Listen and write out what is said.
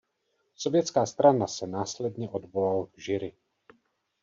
Sovětská strana se následně odvolal k jury.